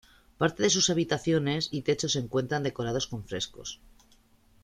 Parte de sus habitaciones y techos se encuentran decorados con frescos.